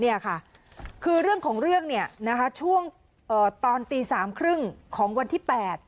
นี่ค่ะคือเรื่องของเรื่องช่วงตอนตี๓๓๐ของวันที่๘